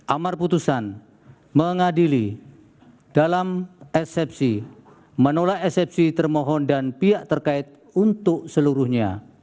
amar putusan mengadili dalam eksepsi menolak eksepsi termohon dan pihak terkait untuk seluruhnya